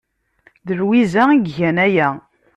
D Lwiza ay igan aya.